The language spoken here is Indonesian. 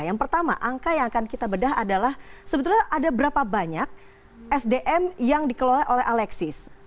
yang pertama angka yang akan kita bedah adalah sebetulnya ada berapa banyak sdm yang dikelola oleh alexis